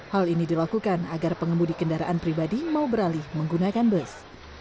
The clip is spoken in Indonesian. hal ini dilakukan agar pengemudi kendaraan pribadi mau beralih menggunakan bus